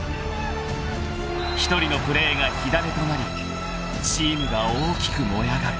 ［１人のプレーが火種となりチームが大きく燃え上がる］